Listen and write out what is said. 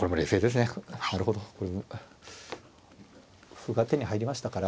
歩が手に入りましたから。